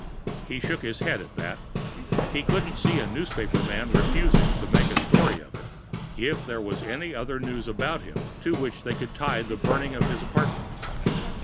He shook his head at that. He couldn't see a newspaper man refusing to make a story of it, if there was any other news about him to which they could tie the burning of his apartment.